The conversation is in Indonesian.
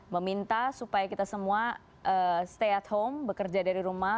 meminta supaya kita semua stay at home bekerja dari rumah